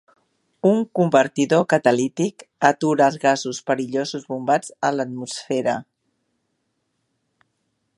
Un convertidor catalític atura els gasos perillosos bombats a l'atmosfera.